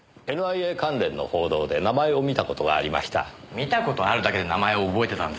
見た事あるだけで名前を覚えてたんですか。